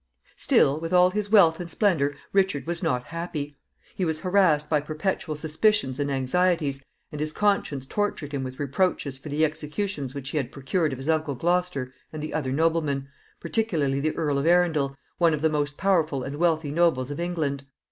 Still, with all his wealth and splendor, Richard was not happy. He was harassed by perpetual suspicions and anxieties, and his conscience tortured him with reproaches for the executions which he had procured of his uncle Gloucester and the other noblemen, particularly the Earl of Arundel, one of the most powerful and wealthy nobles of England.